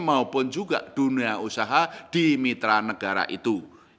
maupun juga dunia usaha di mitra negara itu